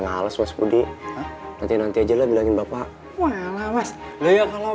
nah ales mas budi nanti nanti aja lah bilangin bapak wala mas lo yang kalau